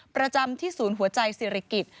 ประจำที่ศูนย์หัวใจศิริกิจ